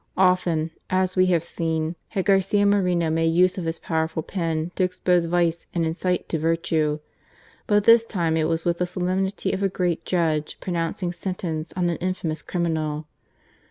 Often (as we have seen) had Garcia Moreno made use of his powerful pen to expose vice and incite to virtue. But this time it was with the solemnity of a great judge pronouncing sentence on an infamous criminal.